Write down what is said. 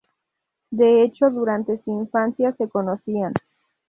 De hecho durante su infancia, se conocían.